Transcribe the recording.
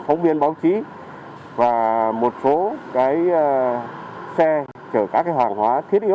phóng viên báo chí và một số xe chở các hàng hóa thiết yếu